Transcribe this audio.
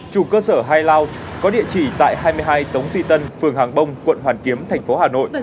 chủ cơ sở high lounge có địa chỉ tại hai mươi hai tống duy tân phường hàng bông quận hoàn kiếm tp hà nội